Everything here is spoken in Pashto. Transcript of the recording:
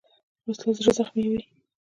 وسله زړه زخموي